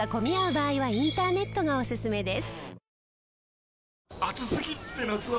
場合はインターネットがおすすめです。